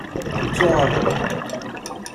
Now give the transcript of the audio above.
Tettuɣaḍem.